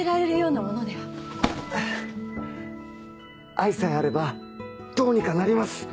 愛さえあればどうにかなります！